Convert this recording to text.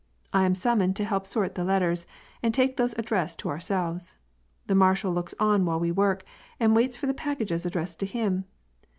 I am summoned to help sort the letters and take those addressed to our selves. The marshal looks on while we work, and waits for the packases addressed to him.